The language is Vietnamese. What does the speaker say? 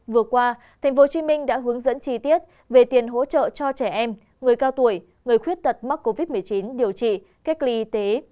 vừa qua tp hcm đã hướng dẫn chi tiết về tiền hỗ trợ cho trẻ em người cao tuổi người khuyết tật mắc covid một mươi chín điều trị cách ly y tế